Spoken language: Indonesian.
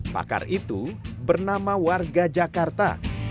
pakar itu bernama warga jakarta